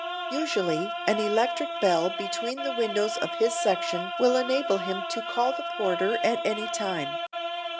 Usually an electric bell between the windows of his section will enable him to call the porter at any time.